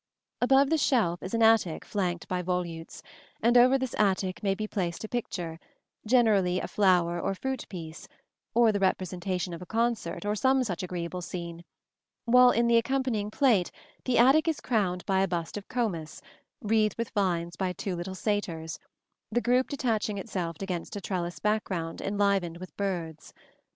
Above the shelf is an attic flanked by volutes, and over this attic may be placed a picture, generally a flower or fruit piece, or the representation of a concert, or some such agreeable scene; while in the accompanying plate the attic is crowned by a bust of Comus, wreathed with vines by two little satyrs the group detaching itself against a trellised background enlivened with birds.